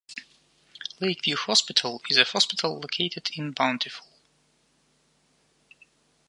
Lakeview Hospital is a hospital located in Bountiful.